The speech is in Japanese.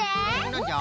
なんじゃ？